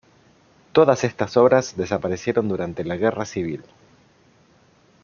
Todas estas obras desaparecieron durante la Guerra Civil.